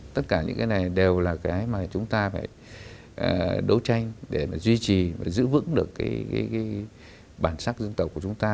tất cả những cái này đều là cái mà chúng ta phải đấu tranh để mà duy trì và giữ vững được cái bản sắc dân tộc của chúng ta